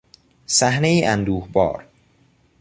صحنهای اندوهبار